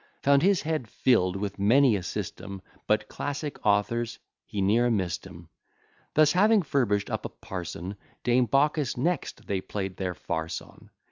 Found his head fill'd with many a system; But classic authors, he ne'er mist 'em. Thus having furbish'd up a parson, Dame Baucis next they play'd their farce on.